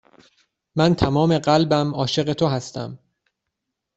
من تمام قلبم عاشق تو هستم.